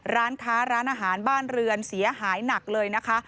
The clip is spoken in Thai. ร้านค้าร้านอาหารบ้านเรือนเสียหายหนักเลยนะคะ